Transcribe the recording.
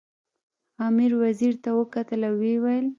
امیر وزیر ته وکتل او ویې ویل.